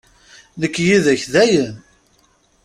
Nekk yid-k, dayen!